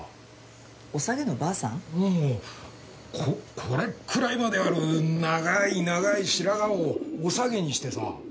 ここれくらいまである長い長い白髪をおさげにしてさ。